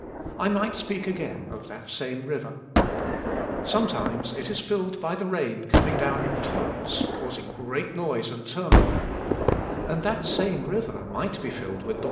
I might speak again, of that same river. Sometimes it is filled by the rain com ing down in torrents, causing great noise and tur moil, and that same river might be filled with th^ BB FIIylvEt) WITH THK SPIRIT.